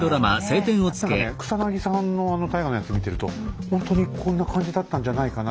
何かね草さんのあの大河のやつ見てるとほんとにこんな感じだったんじゃないかな。